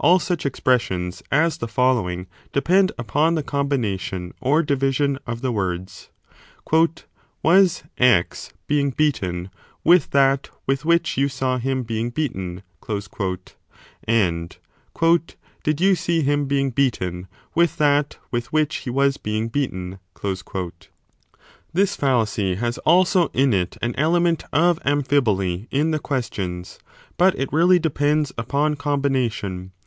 All such expressions as the following depend upon the combination or division of the words : 1 Was X being beaten with that with which you saw him being beaten ? and Did you see him being beaten with that with which he was being beaten ? This fallacy has also in it an element of amphiboly in the questions, but it \ii really depends upon combination.